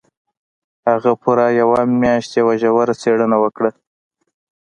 هغه پوره يوه مياشت يوه ژوره څېړنه وکړه.